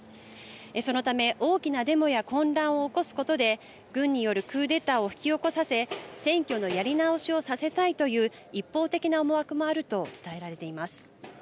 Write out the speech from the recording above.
そのため、大きなデモや混乱を起こすことで軍によるクーデターを引き起こさせ選挙のやり直しをさせたいという一方的な思惑もあると伝えられています。